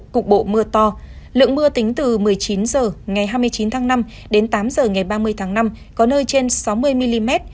cục bộ mưa to lượng mưa tính từ một mươi chín h ngày hai mươi chín tháng năm đến tám h ngày ba mươi tháng năm có nơi trên sáu mươi mm